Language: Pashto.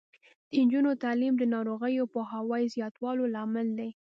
د نجونو تعلیم د ناروغیو پوهاوي زیاتولو لامل دی.